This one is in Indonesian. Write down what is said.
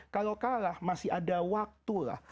kalau kalah masih ada waktu lah